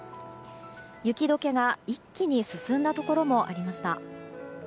雪解けが一気に進んだところもありました。